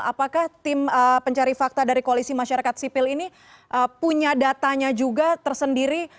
apakah tim pencari fakta dari koalisi masyarakat sipil ini punya datanya juga tersendiri